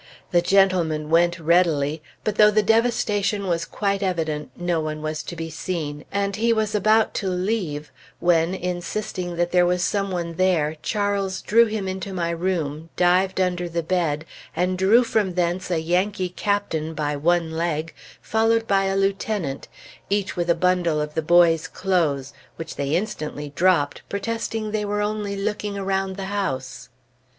The gentleman went readily, but though the devastation was quite evident, no one was to be seen, and he was about to leave, when, insisting that there was some one there, Charles drew him into my room, dived under the bed, and drew from thence a Yankee captain, by one leg, followed by a lieutenant, each with a bundle of the boys' clothes, which they instantly dropped, protesting they were only looking around the house.